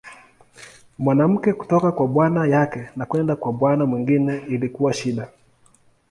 Mwanamke kutoka kwa bwana yake na kwenda kwa bwana mwingine ilikuwa shida.